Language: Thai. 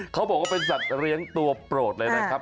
เขาบอกว่าเป็นสัตว์เลี้ยงตัวโปรดเลยนะครับ